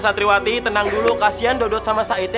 santriwati tenang dulu kasihan dodot sama saitnya